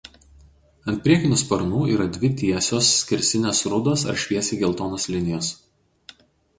Ant priekinių sparnų yra dvi tiesios skersinės rudos ar šviesiai geltonos linijos.